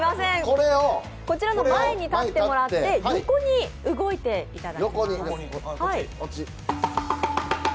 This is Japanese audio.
こちらの前に立ってもらって、横に動いていただきます。